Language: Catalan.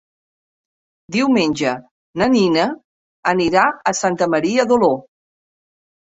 Diumenge na Nina anirà a Santa Maria d'Oló.